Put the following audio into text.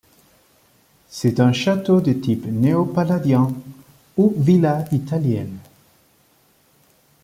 C'est un château de type néo-palladien, ou villa italienne.